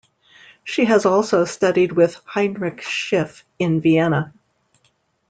She has also studied with Heinrich Schiff in Vienna.